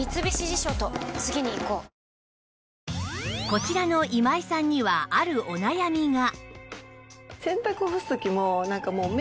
こちらの今井さんにはあるお悩みが